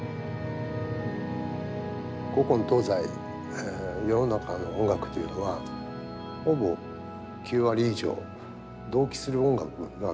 古今東西世の中の音楽というのはほぼ９割以上同期する音楽なんですよ。